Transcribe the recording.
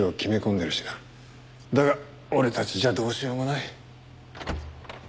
だが俺たちじゃどうしようもない。